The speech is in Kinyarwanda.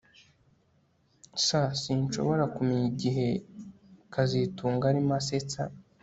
S Sinshobora kumenya igihe kazitunga arimo asetsa